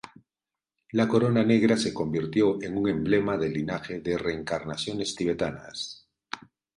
La Corona Negra se convirtió en un emblema del linaje de reencarnaciones Tibetanas.